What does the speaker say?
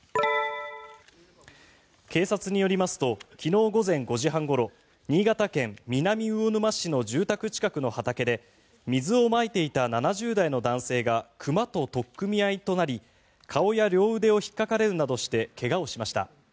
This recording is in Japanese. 警察によりますと昨日午前５時半ごろ新潟県南魚沼市の住宅近くの畑で水をまいていた７０代の男性が熊と取っ組み合いとなり顔や両腕をひっかかれるなどして怪我をしました。